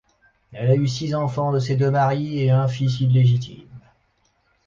Elle a eu six enfants de ses deux maris et un fils illégitime.